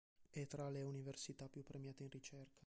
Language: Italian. È tra le università più premiate in ricerca.